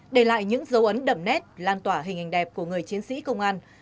để lại những dấu ấn đậm nét lan tỏa hình hình đẹp của người chiến sĩ công an